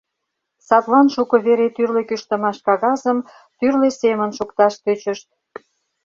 Садлан шуко вере тӱрлӧ кӱштымаш кагазым тӱрлӧ семын шукташ тӧчышт.